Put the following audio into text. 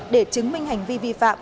để chứng minh hành vi vi phạm